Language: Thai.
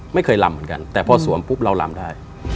ลำเหมือนกันแต่พอสวมปุ๊บเราลำได้